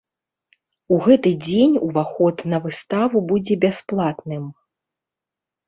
У гэты дзень ўваход на выставу будзе бясплатным.